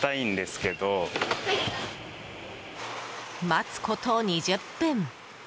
待つこと２０分。